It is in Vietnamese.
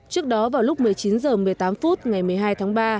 trước đó vào lúc một mươi chín h một mươi tám